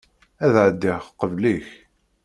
Ad ɛeddiɣ qbel-ik.